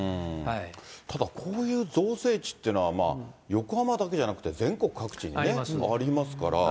ただこういう造成地っていうのは、横浜だけじゃなくて、全国各地にありますから。